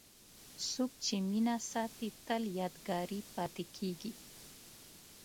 څوک چې مینه ساتي، تل یادګاري پاتې کېږي.